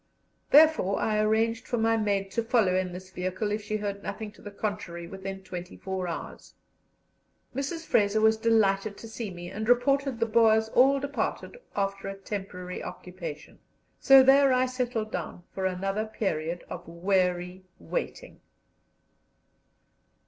Therefore I arranged for my maid to follow in this vehicle if she heard nothing to the contrary within twenty four hours. Mrs. Fraser was delighted to see me, and reported the Boers all departed after a temporary occupation, so there I settled down for another period of weary waiting.